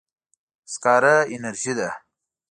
سکاره انرژي ده.